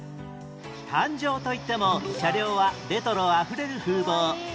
誕生といっても車両はレトロあふれる風貌